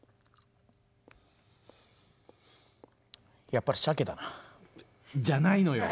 「やっぱしゃけだな」じゃないのよ。